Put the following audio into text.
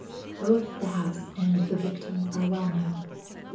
"Both the house and the victim are well known."